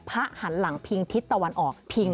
พระหันหลังพิงทิศตะวันออก